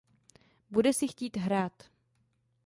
Bude si chtít hrát.